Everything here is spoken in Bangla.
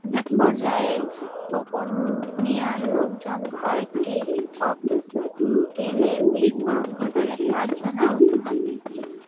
একপর্যায়ে খোকন মিয়ার লোকজন কয়েকটি ককটেলের বিস্ফোরণ ঘটালে পাঁচজন আহত হন।